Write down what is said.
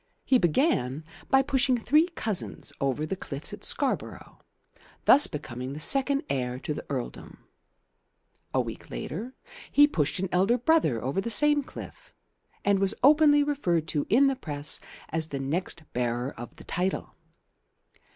He began by pushing three cousins over the cliffs at Scarborough, thus becoming second heir to the earldom. A week later he pushed an elder brother over the same cliff, and was openly referred to in the Press as the next bearer of the title.